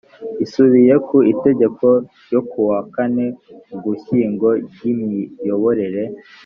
isubiye ku itegeko ryo ku wa kane ugushyingo ryimiyoborere